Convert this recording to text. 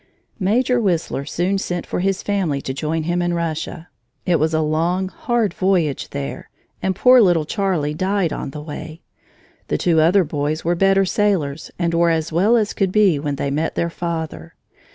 Major Whistler soon sent for his family to join him in Russia. It was a long, hard voyage there, and poor little Charlie died on the way. The two other boys were better sailors and were as well as could be when they met their father.